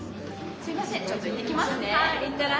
すいませんちょっと行ってきますね。